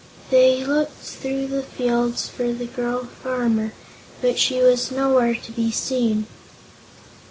They looked through the fields for the girl farmer, but she was nowhere to be seen.